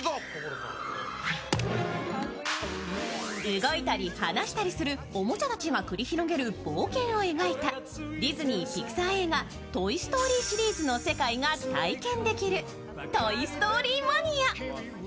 動いたり話したりするおもちゃたちが繰り広げる冒険を描いたディズニー＆ピクサー映画「トイ・ストーリー」シリーズの世界が体験できる「トイ・ストーリー・マニア！」。